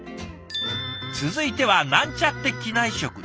続いては「なんちゃって機内食」。